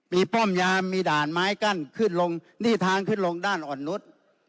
มีป้อมยามมีด่านไม้กั้นขึ้นลงนี่ทางขึ้นลงด้านอ่อนนุษย์